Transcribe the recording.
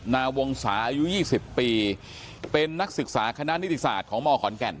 นาวงศาอายุ๒๐ปีเป็นนักศึกษาคณะนิติศาสตร์ของมขอนแก่น